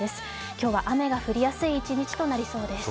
今日は雨が降りやすい一日となりそうです。